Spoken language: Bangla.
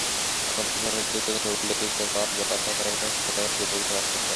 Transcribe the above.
আমাদের পুরাণে দৈত্যগণের উল্লেখ দেখিতে পাওয়া যায়, তাহারা সময়ে সময়ে দেবগণকে আক্রমণ করে।